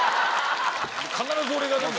必ず俺が何か。